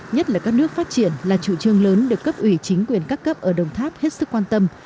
nhất là các nước phát triển là chủ trương lớn được cấp ủy chính quyền các cấp ở đồng tháp hết sức quan tâm